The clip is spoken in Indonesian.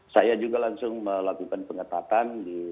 saya juga langsung melakukan pengetatan